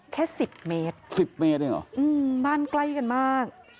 แค่๑๐เมตรบ้านใกล้กันมาก